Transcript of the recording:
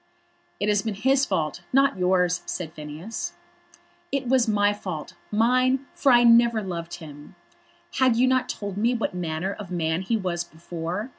"It has been his fault; not yours," said Phineas. "It was my fault, mine; for I never loved him. Had you not told me what manner of man he was before?